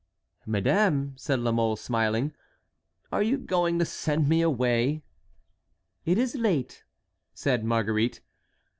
"Madame," said La Mole, smiling, "are you going to send me away?" "It is late," said Marguerite.